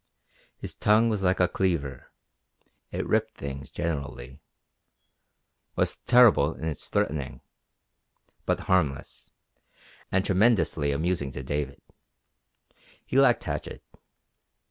His tongue was like a cleaver. It ripped things generally was terrible in its threatening, but harmless, and tremendously amusing to David. He liked Hatchett.